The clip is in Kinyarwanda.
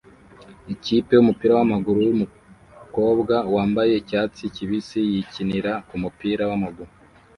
Ikipe yumupira wamaguru yumukobwa yambaye icyatsi kibisi yikinira kumupira wamaguru